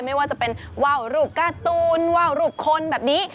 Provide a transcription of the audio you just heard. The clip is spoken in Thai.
ไม่ว่าจะเป็นว่าวรูปการ์ตูนว่าวรูปคนแบบนี้